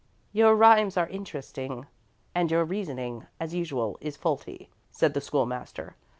"' "Your rhymes are interesting, and your reasoning, as usual, is faulty," said the School master.